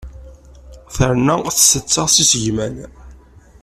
Terna tseṭṭa s isegman.